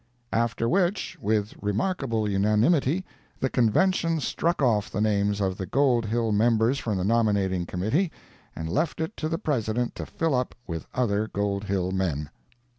] After which, with remarkable unanimity, the Convention struck off the names of the Gold Hill members from the nominating committee, and left it to the President to fill up with other Gold Hill men.